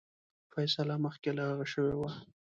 فیصله مخکي له هغه شوې وه.